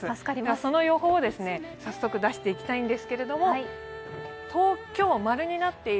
その予報を早速出していきたいんですけれども、東京は○になっている。